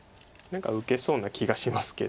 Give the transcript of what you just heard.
何か受けそうな気がしますけど。